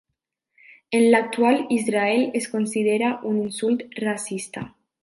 En l'actual Israel es considera un insult racista.